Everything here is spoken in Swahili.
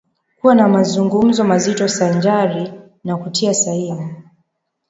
kuwa na mazungumzo mazito sanjari na kutia saini